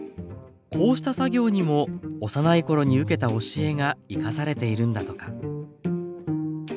こうした作業にも幼い頃に受けた教えが生かされているんだとか。